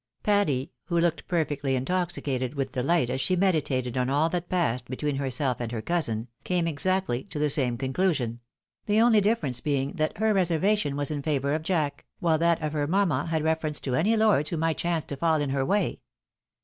Patty, who looked perfectly intoxicated with dehght, as she meditated on all that passed between herself and her cousin, tame exactly to the same conclusion ; the only difference being, that her reservation was in favour of Jack, while that of her mamma had reference to any lords who might chance to fall in her way.